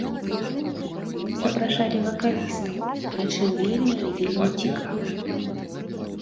Мы запрашалі вакалістаў, прычым, вельмі і вельмі цікавых!